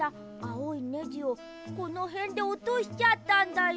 ネジをこのへんでおとしちゃったんだよ。